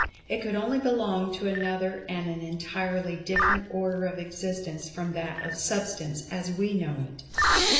It could only belong to another and an entirely different order of existence from that of Substance as we know it.